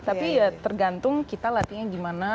tapi ya tergantung kita latihnya gimana